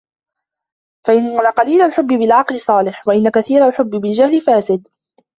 فإن قليل الحب بالعقل صالح وإن كثير الحب بالجهل فاسد